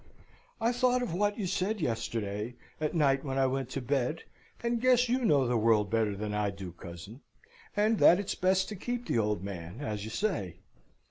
"I thought of what you said, yesterday, at night when I went to bed; and guess you know the world better than I do, cousin; and that it's best to keep the old man, as you say."